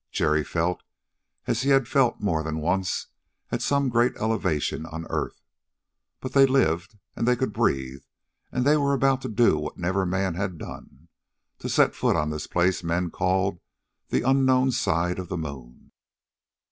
Jerry felt as he had felt more than once at some great elevation on earth. But they lived, and they could breathe, and they were about to do what never man had done to set foot on this place men called the unknown side of the moon.